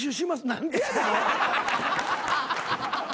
何でやねん！